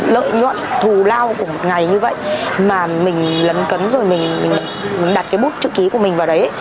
lợi nhuận thù lao của một ngày như vậy mà mình lấn cấn rồi mình đặt cái bút chữ ký của mình vào đấy